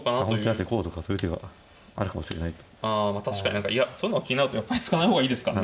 何かいやそういうのが気になるとやっぱり突かない方がいいですかね。